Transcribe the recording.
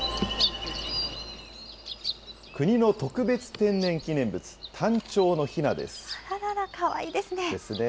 国の特別天然記念物、タンチョウのひなです。ですね。